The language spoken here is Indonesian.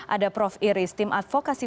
ada prof iris tim advokasi